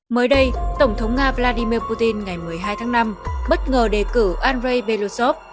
mới đây tổng thống nga vladimir putin ngày một mươi hai tháng năm bất ngờ đề cử andrei belosov